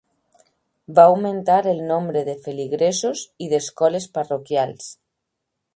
Va augmentar el nombre de feligresos i d'escoles parroquials.